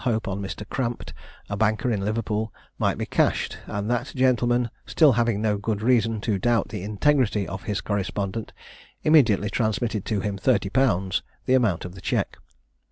Hope, on Mr. Crampt, a banker in Liverpool, might be cashed; and that gentleman, still having no good reason to doubt the integrity of his correspondent, immediately transmitted to him 30_l._, the amount of the check.